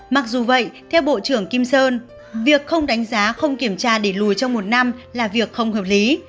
mặc dù vậy theo bộ trưởng kim sơn việc không đánh giá không kiểm tra để lùi trong một năm là việc không hợp lý